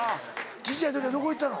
小っちゃい時はどこ行ってたの？